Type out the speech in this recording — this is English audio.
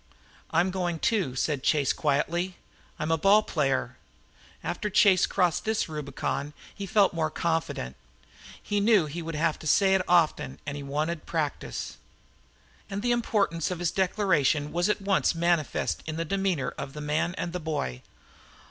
"I'm going, too," said Chase, quietly. "I'm a ball player." After Chase had crossed this Rubicon he felt more confident. He knew he would have to say it often, and he wanted practice. And the importance of his declaration was at once manifest in the demeanor of the man and the boy.